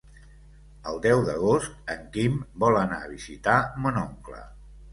El deu d'agost en Quim vol anar a visitar mon oncle.